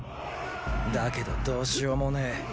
だけどどうしようもねェ。